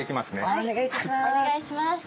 はいお願いします。